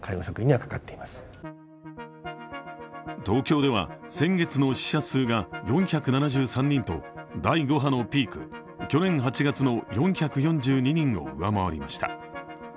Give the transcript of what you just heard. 東京では先月の死者数が４７３人と第５波のピーク、去年８月の４４２人を上回りました。